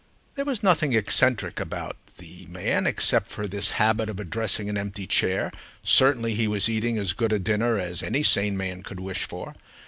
There was nothing eccentric about the man except for this habit of addressing an empty chair, certainly he was eating as good a dinner as any sane man could wish for.